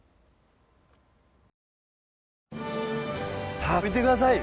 さあ見てください！